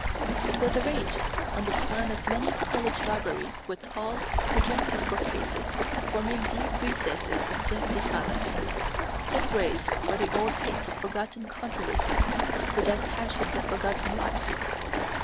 It was arranged on the plan of many college libraries, with tall, projecting bookcases forming deep recesses of dusty silence, fit graves for the old hates of forgotten controversy, the dead passions of forgotten lives.